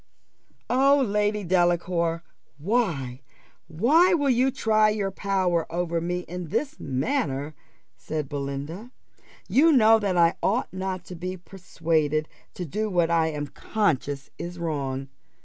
"O Lady Delacour, why, why will you try your power over me in this manner?" said Belinda. "You know that I ought not to be persuaded to do what I am conscious is wrong.